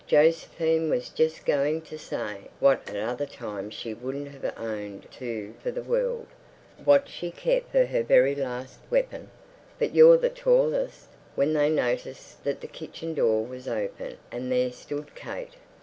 Josephine was just going to say—what at other times she wouldn't have owned to for the world—what she kept for her very last weapon, "But you're the tallest," when they noticed that the kitchen door was open, and there stood Kate....